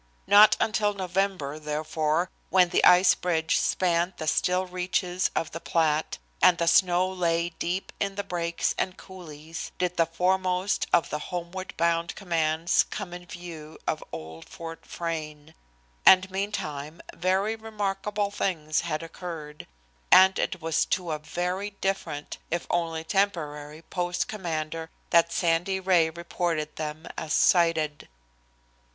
Not until November, therefore, when the ice bridge spanned the still reaches of the Platte, and the snow lay deep in the brakes and coulées, did the foremost of the homeward bound commands come in view of old Fort Frayne, and meantime very remarkable things had occurred, and it was to a very different, if only temporary, post commander that Sandy Ray reported them as "sighted."